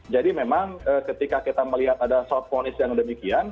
jadi memang ketika kita melihat ada soft bonus yang demikian